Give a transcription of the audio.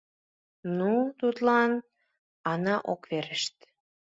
Ну, тудлан Ана ок верешт!